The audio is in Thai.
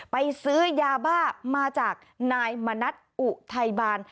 ซื้อยาบ้ามาจากนายมณัฐอุทัยบาล